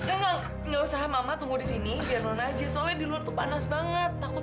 enggak enggak usah mama tunggu di sini biar non aja soalnya di luar tuh panas banget takut